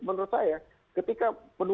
menurut saya ketika